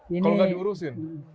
kalau nggak diurusin